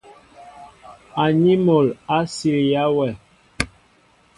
Aní mol a silya wɛ.